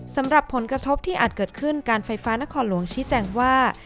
สำหรับผลกระทบที่อาจเกิดขึ้นการไฟฟ้านครหลวงชี้แจงว่า